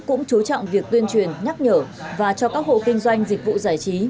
cũng chú trọng việc tuyên truyền nhắc nhở và cho các hộ kinh doanh dịch vụ giải trí